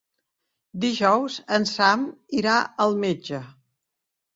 Dijous en Sam irà al metge.